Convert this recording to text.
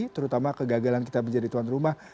terutama kegagalan kita menjadi tuan rumah